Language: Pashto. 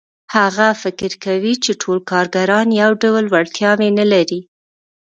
هغه فکر کوي چې ټول کارګران یو ډول وړتیاوې نه لري